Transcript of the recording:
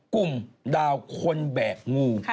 กลุ่มดาวคนแบกงู